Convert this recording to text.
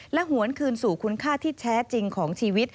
หวนคืนสู่คุณค่าที่แท้จริงของชีวิต